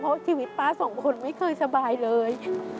เพราะชีวิตป้าสองคนไม่เคยสบายเลย